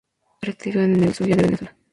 Se retiró en el Zulia de Venezuela.